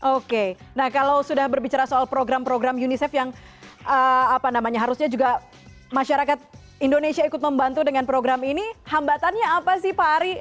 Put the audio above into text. oke nah kalau sudah berbicara soal program program unicef yang apa namanya harusnya juga masyarakat indonesia ikut membantu dengan program ini hambatannya apa sih pak ari